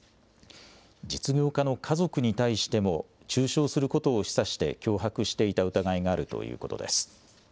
実業家の家族に対しても中傷することを示唆して脅迫していた疑いがあるということです。